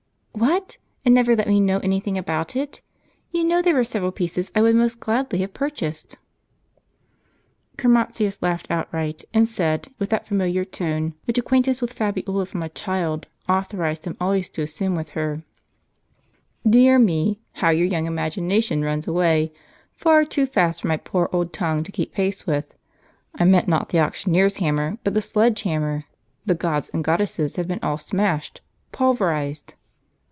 "What! and never let me know any thing about it? You know there were several pieces I would most gladly have purchased." Chromatius laughed outright, and said, with that familiar tone, which acquaintance with Fabiola from a child authorized him always to assume with her :" Dear me ! how your young imagination runs away," far too fast for my poor old tongue to keep pace with ; I meant not the auctioneer's hammer, but the sledge hammer. The gods and goddesses have been all smashed, pulverized